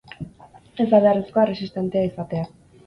Ez da beharrezkoa erresistentea izatea.